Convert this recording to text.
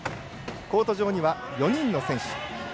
コート上には４人の選手。